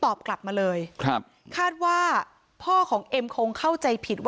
แต่ก็เหมือนกับว่าจะไปดูของเพื่อนแล้วก็ค่อยทำส่งครูลักษณะประมาณนี้นะคะ